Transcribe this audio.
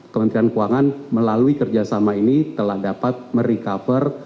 kementerian keuangan melalui kerjasama ini telah dapat merecover